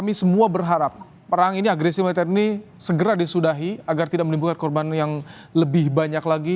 kami semua berharap perang ini agresi militer ini segera disudahi agar tidak menimbulkan korban yang lebih banyak lagi